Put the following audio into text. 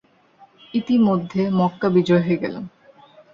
ইতিমধ্যে মক্কা বিজয় হয়ে গেল।